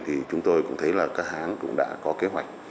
thì chúng tôi cũng thấy là các hãng cũng đã có kế hoạch